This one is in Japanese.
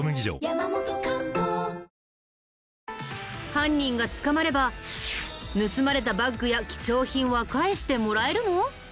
犯人が捕まれば盗まれたバッグや貴重品は返してもらえるの？